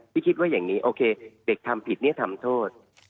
คิดว่าอย่างนี้โอเคเด็กทำผิดเนี่ยทำโทษ